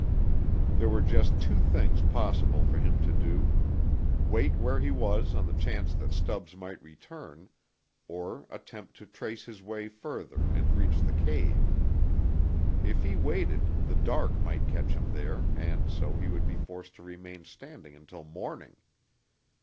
There were just two things possible for him to do; wait where he was on the chance that Stubbs might return, or attempt to trace his way further and reach the cave. If he waited, the dark might catch him there and so he would be forced to remain standing until morning.